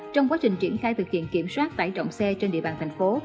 trong quá trình triển khai thực hiện kiểm soát tải trọng xe trên địa bàn tp hcm